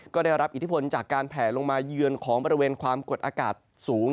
ก็ได้รับอิทธิพลจากการแผลลงมาเยือนของบริเวณความกดอากาศสูง